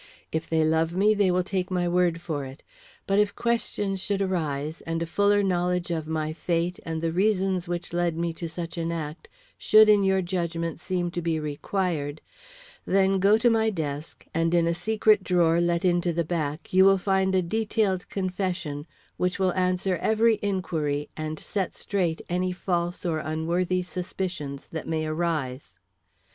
If they love me they will take my word for it; but if questions should arise, and a fuller knowledge of my fate and the reasons which led me to such an act should in your judgment seem to be required, then go to my desk, and, in a secret drawer let into the back, you will find a detailed confession which will answer every inquiry and set straight any false or unworthy suspicions that may arise.